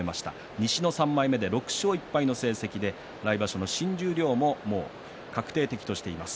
西の３枚目で６勝１敗の成績で来場所の新十両も確定的としています。